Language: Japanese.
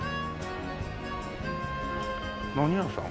何屋さん？